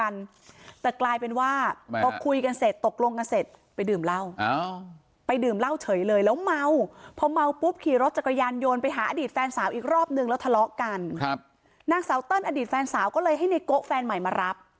นางสาวเติ้ลอดีตแฟนสาวก็เลยให้ในโกะแฟนใหม่มารับ